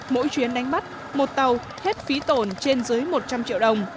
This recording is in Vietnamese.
mỗi chuyến đánh bắt một tàu hết phí tổn trên dưới một trăm linh triệu đồng